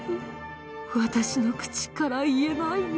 私の口から言えないよ。